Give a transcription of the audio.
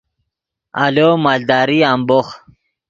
آلو مالداری امبوخ